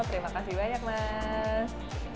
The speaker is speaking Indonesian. terima kasih banyak mas